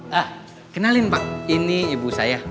ah kenalin pak ini ibu saya